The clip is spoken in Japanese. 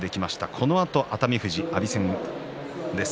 このあと熱海富士、阿炎戦です。